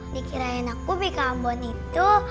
dikirain aku bika ambon itu